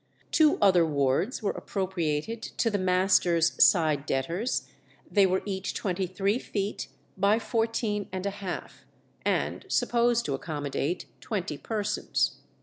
Two other wards were appropriated to the master's side debtors; they were each twenty three feet by fourteen and a half, and supposed to accommodate twenty persons.